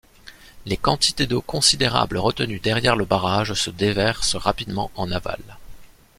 Les quantités d'eau considérables retenues derrière le barrage se déversent rapidement en aval.